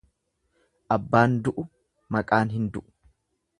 Abbaan du'u maqaan hin du'u.